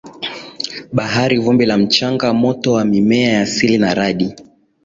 bahari vumbi la mchanga moto wa mimea ya asili na radi